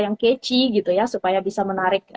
yang keci gitu ya supaya bisa menarik